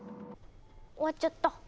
終わっちゃった。